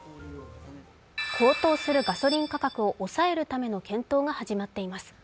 高騰するガソリン価格を抑えるための検討が始まっています。